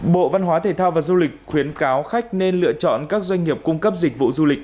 bộ văn hóa thể thao và du lịch khuyến cáo khách nên lựa chọn các doanh nghiệp cung cấp dịch vụ du lịch